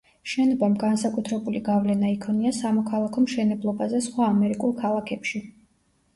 შენობამ განსაკუთრებული გავლენა იქონია სამოქალაქო მშენებლობაზე სხვა ამერიკულ ქალაქებში.